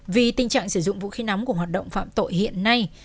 vì tình trạng sử dụng vũ khí nóng của hoạt động phạm tội hiện nay